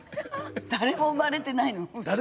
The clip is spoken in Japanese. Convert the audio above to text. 誰も生まれてないの。